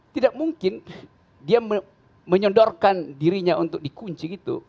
tidak mungkin dia menyondorkan dirinya untuk dikunci gitu